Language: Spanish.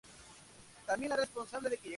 Localizado en la ciudad de Rawson Chubut.